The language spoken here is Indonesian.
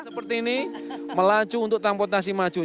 seperti ini melaju untuk transportasi maju